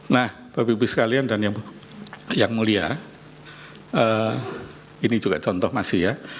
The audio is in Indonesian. nah bapak ibu sekalian dan yang mulia ini juga contoh masih ya